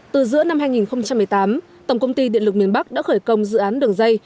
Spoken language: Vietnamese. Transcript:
từ giữa năm hai nghìn một mươi tám tổng công ty điện lực miền bắc đã khởi công dự án đường dây